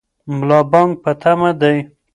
ملا بانګ په تمه دی.